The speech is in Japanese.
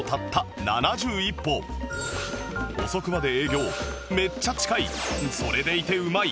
遅くまで営業めっちゃ近いそれでいてうまい